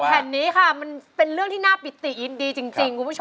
แผ่นนี้ค่ะมันเป็นเรื่องที่น่าปิติยินดีจริงคุณผู้ชม